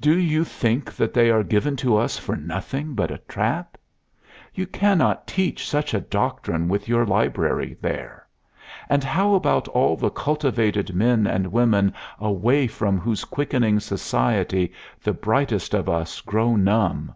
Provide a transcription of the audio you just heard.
Do you think that they are given to us for nothing but a trap? You cannot teach such a doctrine with your library there. And how about all the cultivated men and women away from whose quickening society the brightest of us grow numb?